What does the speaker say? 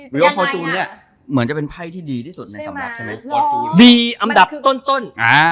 มีก่อนข้อจูลเหมือนจะเป็นไภที่ดีที่สุดดูอาทิตย์ต้น